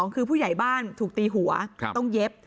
คือผู้ใหญ่บ้านถูกตีหัวต้องเย็บ